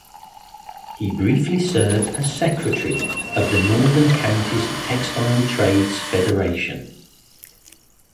He briefly served as secretary of the Northern Counties Textile Trades Federation.